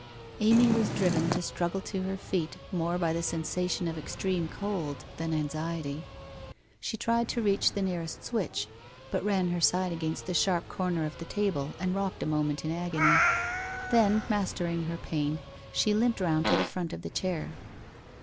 Amy was driven to struggle to her feet more by the sensation of extreme cold than anxiety. She tried to reach the near est switch, but ran her side against the sharp corner of the table and rocked a moment in agony. Then, mastering her pain, she limped round to the front of the chair.